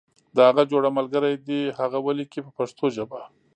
د هغه جوړه ملګری دې هغه ولیکي په پښتو ژبه.